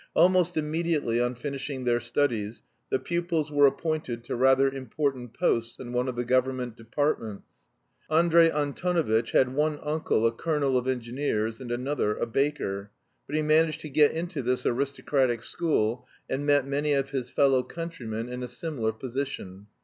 Almost immediately on finishing their studies the pupils were appointed to rather important posts in one of the government departments. Andrey Antonovitch had one uncle a colonel of engineers, and another a baker. But he managed to get into this aristocratic school, and met many of his fellow countrymen in a similar position.